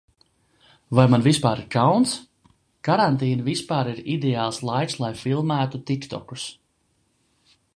Vai man vispār ir kauns? Karantīna vispār ir ideāls laiks, lai filmētu tiktokus.